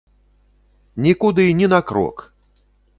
Нікуды ні на крок!